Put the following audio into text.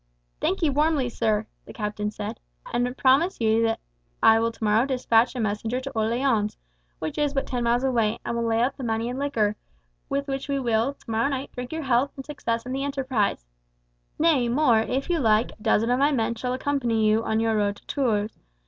"I thank you warmly, sir," the captain said, "and promise you that I will tomorrow despatch a messenger to Orleans, which is but ten miles away, and will lay out the money in liquor, with which we will, tomorrow night, drink your health and success in the enterprise. Nay, more, if you like, a dozen of my men shall accompany you on your road to Tours.